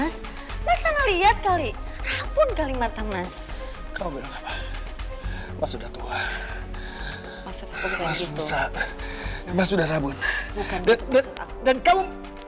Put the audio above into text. suara ayam kucing tadi